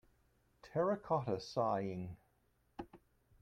Terracotta Sighing.